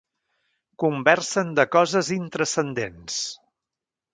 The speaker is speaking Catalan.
Conversen de coses intranscendents.